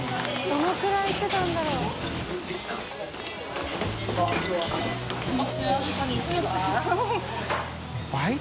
どのくらい行ってたんだろう？丱